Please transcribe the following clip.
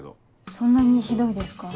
そんなにひどいですか。